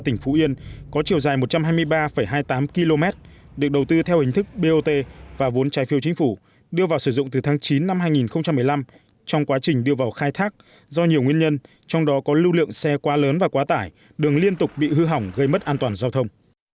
tỉnh phú yên có chiều dài một trăm hai mươi ba hai mươi tám km được đầu tư theo hình thức bot và vốn trái phiêu chính phủ đưa vào sử dụng từ tháng chín năm hai nghìn một mươi năm trong quá trình đưa vào khai thác do nhiều nguyên nhân trong đó có lưu lượng xe quá lớn và quá tải đường liên tục bị hư hỏng gây mất an toàn giao thông